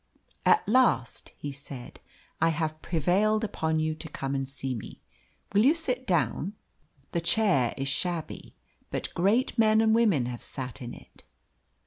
"At last," he said, "I have prevailed upon you to come and see me. Will you sit down? The chair is shabby, but great men and women have sat in it."